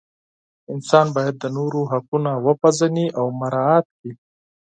انسان باید د نورو حقونه وپیژني او مراعات کړي.